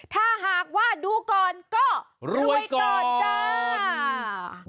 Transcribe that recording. ถ้าหากว่าดูก่อนก็รวยก่อนจ้า